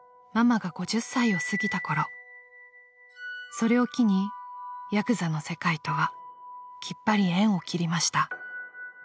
［それを機にヤクザの世界とはきっぱり縁を切りました］